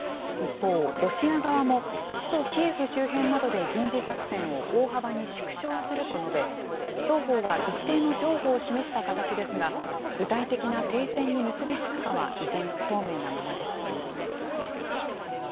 一方、ロシア側も首都キエフ周辺などで軍事作戦を大幅に縮小すると述べ、双方は一定の譲歩を示した形ですが、具体的な停戦に結び付くかは依然、不透明なままです。